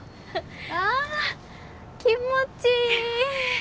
ああ気持ちいい！